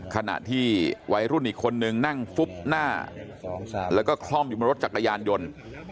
ขณะที่วัยรุ่นอีกคนนึงนั่งฟุบหน้าแล้วก็คล่อมอยู่บนรถจักรยานยนต์